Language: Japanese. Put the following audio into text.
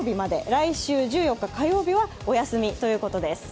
来週１４日火曜日はお休みということです。